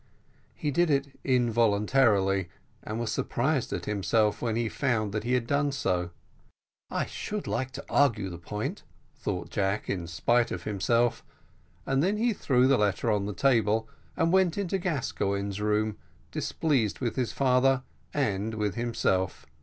He did it involuntarily, and was surprised at himself when he found that he had so done. "I should like to argue the point," thought Jack, in spite of himself; and then he threw the letter on the table, and went into Gascoigne's room, displeased with his father and with himself.